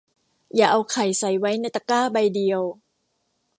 อย่าเอาไข่ใส่ไว้ในตะกร้าใบเดียว